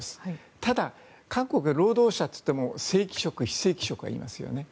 ただ、韓国は労働者といっても正規職、非正規職がいますよね。